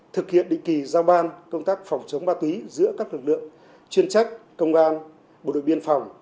thực hiện định kỳ giao ban công tác phòng chống ma túy giữa các lực lượng chuyên trách công an bộ đội biên phòng